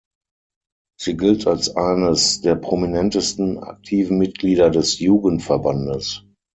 Sie gilt als eines der prominentesten aktiven Mitglieder des Jugendverbandes.